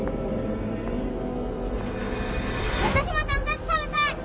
私もとんかつ食べたい！